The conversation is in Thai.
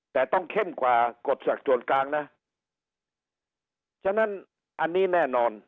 แต่ต้องเข้มกว่ากฎศักดิ์ส่วนกลางนะฉะนั้นอันนี้แน่นอน